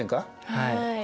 はい。